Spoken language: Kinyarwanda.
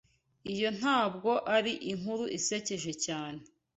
Iyo ntabwo ari inkuru isekeje cyane.